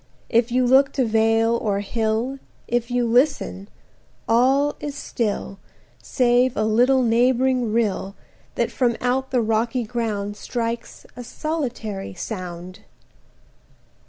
If you look to vale or hill, 80 If you listen, all is still, Save a little neighbouring rill, That from out the rocky ground Strikes a solitary sound.